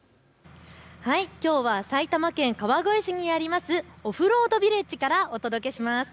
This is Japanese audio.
きょうは埼玉県川越市にありますオフロードヴィレッジからお届けします。